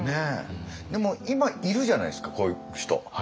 でも今いるじゃないですかこういう人。